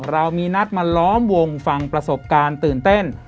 เรามีนัดมาล้อมวงฟังประสบการณ์ตื่นเต้น